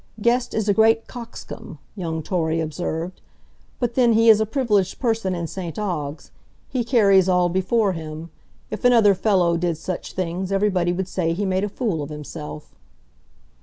"Guest is a great coxcomb," young Torry observed; "but then he is a privileged person in St Ogg's—he carries all before him; if another fellow did such things, everybody would say he made a fool of himself."